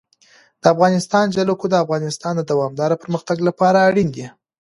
د افغانستان جلکو د افغانستان د دوامداره پرمختګ لپاره اړین دي.